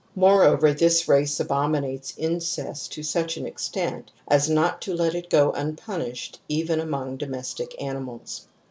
Moreover, (this race abominates incest to such an extent as not to let it go unpunished even among domestic animals ^®.